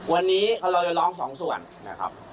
วันนี้เราจะร้องสองส่วนนะครับ